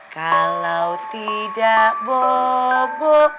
kalau tidak bobo